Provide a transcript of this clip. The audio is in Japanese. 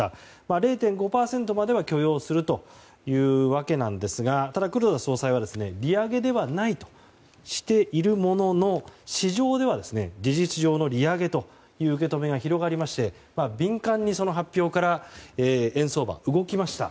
０．５％までは許容するというわけですがただ、黒田総裁は利上げではないとしているものの市場では事実上の利上げという受け止めが広がりまして敏感にその発表から円相場が動きました。